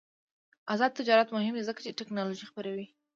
آزاد تجارت مهم دی ځکه چې تکنالوژي خپروي.